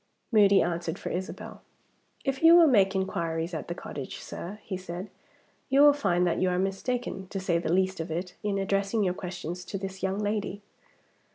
Moody answered for Isabel. "If you will make inquiries at the cottage, sir," he said, "you will find that you are mistaken, to say the least of it, in addressing your questions to this young lady."